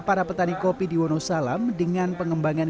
para petani kopi di wonosalam dengan pengembangan